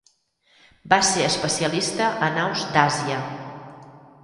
Va ser especialista en aus d'Àsia.